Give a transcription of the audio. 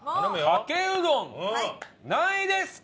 かけうどん何位ですか？